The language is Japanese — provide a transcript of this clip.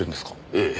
ええ。